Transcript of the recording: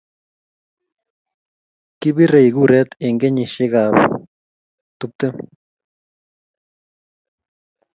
Kibirei kuret eng kenyishiekab tuptem